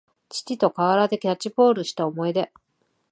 父と河原でキャッチボールした思い出